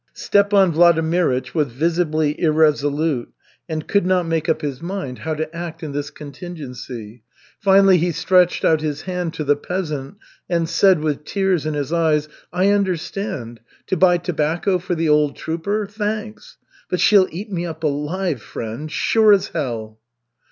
Stepan Vladimirych was visibly irresolute and could not make up his mind how to act in this contingency. Finally, he stretched out his hand to the peasant and said, with tears in his eyes: "I understand to buy tobacco for the old trooper? Thanks. But she'll eat me up alive, friend. Sure as hell."